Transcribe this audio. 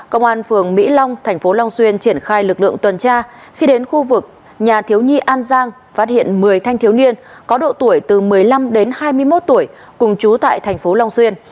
công an phường mỹ long thành phố long xuyên triển khai lực lượng tuần tra khi đến khu vực nhà thiếu nhi an giang phát hiện một mươi thanh thiếu niên có độ tuổi từ một mươi năm đến hai mươi một tuổi cùng chú tại thành phố long xuyên